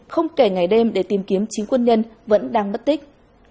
không kể ngày đêm để tìm kiếm chính quân nhân vẫn đang bất tích